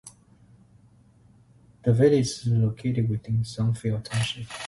The village is located within Sunfield Township.